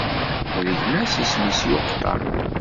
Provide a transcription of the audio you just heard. Ma d gma-s isem-is Yuqtan.